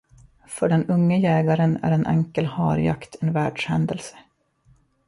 För den unge jägaren är en enkel harjakt en världshändelse.